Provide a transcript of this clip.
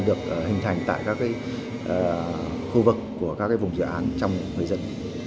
được hình thành tại các cái khu vực của các cái vùng dự án trong người dân